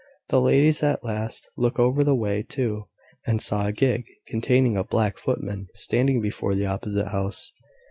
The ladies at last looked over the way too, and saw a gig containing a black footman standing before the opposite house.